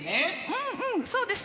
うんうんそうです